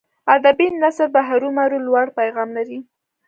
ادبي نثر به هرو مرو لوړ پیغام لري.